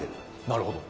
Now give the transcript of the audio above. なるほど。